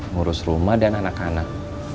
ngurus rumah dan anak anak